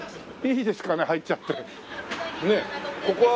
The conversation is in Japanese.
いいですかね入っちゃっても。